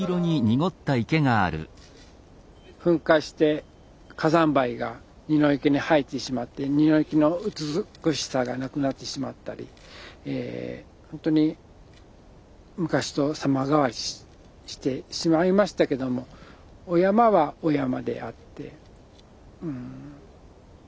噴火して火山灰が二ノ池に入ってしまって二ノ池の美しさがなくなってしまったりほんとに昔と様変わりしてしまいましたけどもお山はお山であってうん。